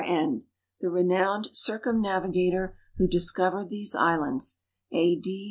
N. the renowned circumnavigator who discovered these islands A.D.